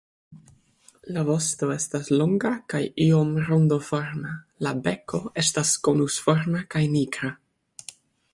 La vosto estas longa kaj iom rondoforma; la beko estas konusforma kaj nigra.